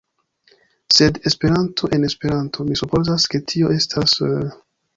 Sed Esperanto, en Esperanto mi supozas ke tio estas...